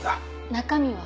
中身は？